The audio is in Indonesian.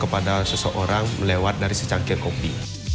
dan bagaimana kita membuat seseorang melewat dari secangkir kopi